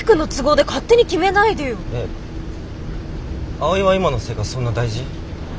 葵は今の生活そんな大事？